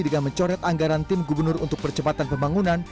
dengan mencoret anggaran tim gubernur untuk percepatan pembangunan